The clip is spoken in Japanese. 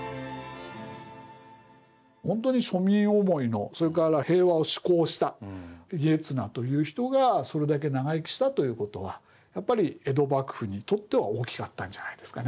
ほんとに庶民思いのそれから平和を志向した家綱という人がそれだけ長生きしたということはやっぱり江戸幕府にとっては大きかったんじゃないですかね。